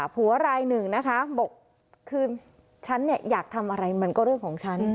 หัวรายหนึ่งนะคะบอกคือฉันอยากทำอะไรมันก็เรื่องของฉัน